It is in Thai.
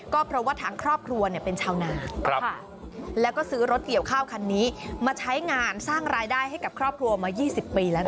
ก็เพราะว่าทางครอบครัวเป็นชาวนาแล้วก็ซื้อรถเกี่ยวข้าวคันนี้มาใช้งานสร้างรายได้ให้กับครอบครัวมา๒๐ปีแล้ว